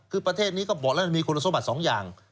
คือประเทศนี้ก็บอกแล้วมันมีคุณสมบัติสองอย่าง